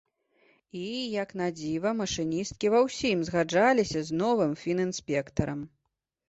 І, як надзіва, машыністкі ва ўсім згаджаліся з новым фінінспектарам.